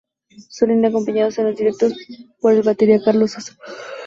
Suelen ir acompañados en los directos por el batería Carlos Sosa.